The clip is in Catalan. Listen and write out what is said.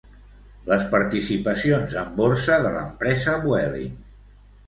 Les participacions en borsa de l'empresa Vueling.